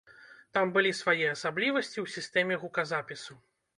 Там былі свае асаблівасці ў сістэме гуказапісу.